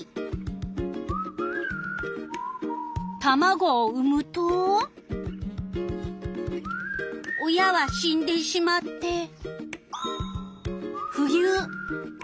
タマゴを産むと親は死んでしまって。